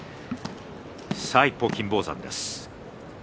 一方、金峰山です。